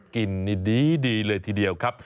กินนี่ดีเลยทีเดียวครับ